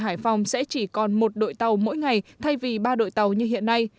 hải phòng sẽ chỉ còn một đội tàu mỗi ngày thay vì ba đội tàu như hiện nay